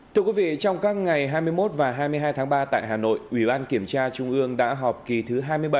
thưa quý vị trong các ngày hai mươi một và hai mươi hai tháng ba tại hà nội ủy ban kiểm tra trung ương đã họp kỳ thứ hai mươi bảy